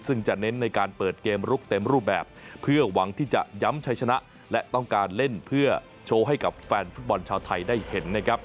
ซึ่งจะเน้นในการเปิดเกมลุกเต็มรูปแบบเพื่อหวังที่จะย้ำชัยชนะและต้องการเล่นเพื่อโชว์ให้กับแฟนฟุตบอลชาวไทยได้เห็นนะครับ